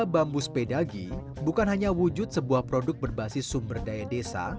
bambu sepedagi bukan hanya wujud sebuah produk berbasis sumber daya desa